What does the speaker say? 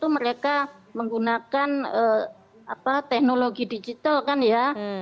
mereka menggunakan teknologi digital kan ya